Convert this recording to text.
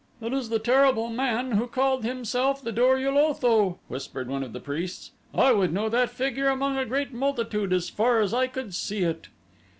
"It is the terrible man who called himself the Dor ul Otho," whispered one of the priests. "I would know that figure among a great multitude as far as I could see it."